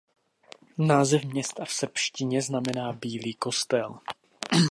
Název města v srbštině znamená "bílý kostel".